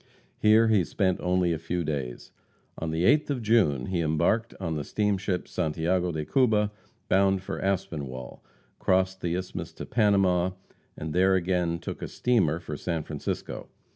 Here he spent only a few days. On the 8th of June he embarked on the steamship Santiago de Cuba, bound for Aspinwall, crossed the Isthmus to Panama, and there again took a steamer for San Francisco.